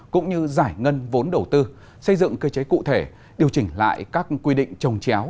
cũng như giải ngân vốn đầu tư xây dựng cơ chế cụ thể điều chỉnh lại các quy định trồng chéo